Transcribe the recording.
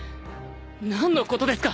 何のことですか？